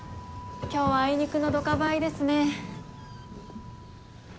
今日はあいにくのドカ灰ですね。